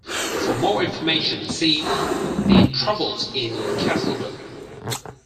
For more information, see The Troubles in Castlederg.